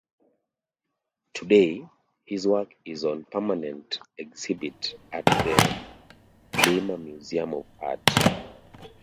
Today, his work is on permanent exhibit at the Clymer Museum of Art.